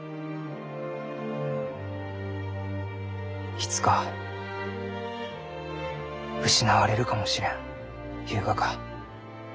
いつか失われるかもしれんゆうがか？